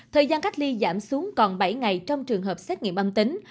thời gian cách ly giảm xuống còn bảy ngày trong trường hợp xét nghiệm âm tính